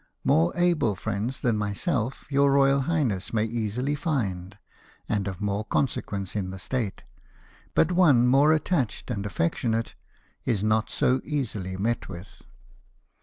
More able friends than myself your royal highness may easily find, and of more consequence in the State ; but one more attached and affectionate, is not so easily met with.